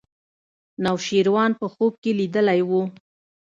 نوشیروان په خوب کې لیدلی و.